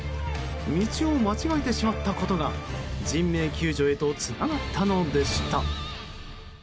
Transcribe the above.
道を間違えてしまったことが人命救助へとつながったのでした。